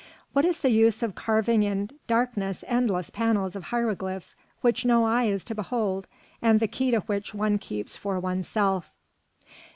What is the use of carving in darkness endless panels of hieroglyphs which no eye is to behold and the key to which one keeps for one's self?